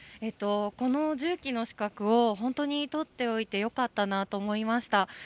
この重機の資格を本当に取っておいてよかったなと思いました。